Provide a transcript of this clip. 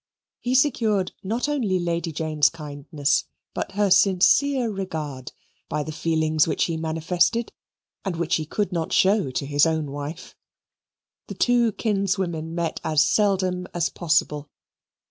He secured not only Lady Jane's kindness, but her sincere regard, by the feelings which he manifested, and which he could not show to his own wife. The two kinswomen met as seldom as possible.